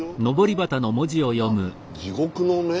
「地獄の目」？